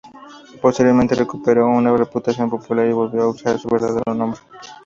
Posteriormente recuperó una reputación popular y volvió a usar su verdadero nombre.